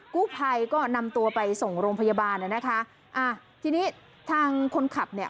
กู้ภัยก็นำตัวไปส่งโรงพยาบาลน่ะนะคะอ่าทีนี้ทางคนขับเนี่ย